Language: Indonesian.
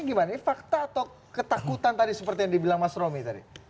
ini bagaimana fakta atau ketakutan seperti yang dibilang mas romy tadi